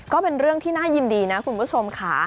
ก็เป็นเรื่องที่น่ายินดีนะคุณผู้ชมค่ะ